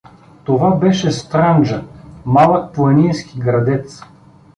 Това беше Странджа — малък планински градец.